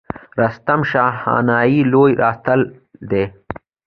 رستم د شاهنامې لوی اتل دی